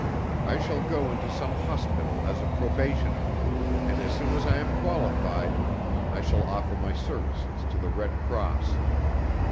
I shall go into some hospital as a probationer, and as soon as I am qualified, I shall offer my services to the Red Cross.